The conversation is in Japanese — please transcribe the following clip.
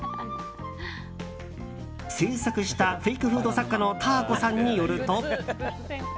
制作したフェイクフード作家のたあこさんによると。